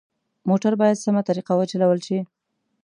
موټر باید سمه طریقه وچلول شي.